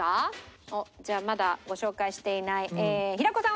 じゃあまだご紹介していない平子さん